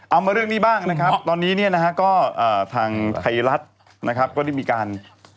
มาเรื่องนี้บ้างนะครับตอนนี้เนี่ยนะฮะก็ทางไทยรัฐนะครับก็ได้มีการ